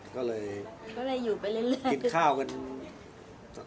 ก็เลยกินข้าวกัน